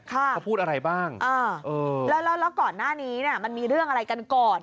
เขาพูดอะไรบ้างแล้วแล้วก่อนหน้านี้เนี่ยมันมีเรื่องอะไรกันก่อน